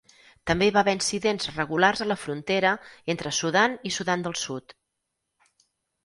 També hi va haver incidents regulars a la frontera entre Sudan i Sudan del Sud.